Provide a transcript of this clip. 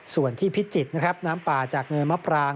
ส่วนที่พิจิตรนะครับน้ำป่าจากเนินมะปราง